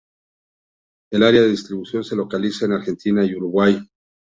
El área de distribución se localiza en Argentina y Uruguay.